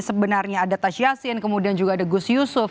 sebenarnya ada tas yassin kemudian juga ada gus yusuf